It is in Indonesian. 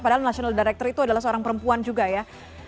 padahal national director itu adalah seorang perempuan juga ya